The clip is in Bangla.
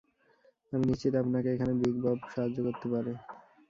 আমি নিশ্চিত আপনাকে এখানে বিগ বব সাহায্য করতে পারে।